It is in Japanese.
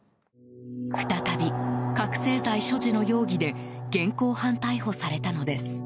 再び、覚醒剤所持の容疑で現行犯逮捕されたのです。